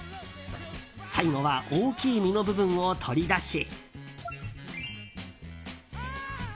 最後は大きい実の部分を取り出し。